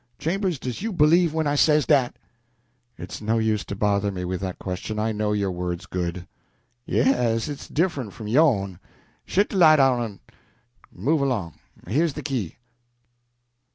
Chambers, does you b'lieve me when I says dat?" "It's no use to bother me with that question. I know your word's good." "Yes, it's diff'rent from yo'n! Shet de light out en move along here's de key."